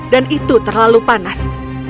dan itu terlalu panas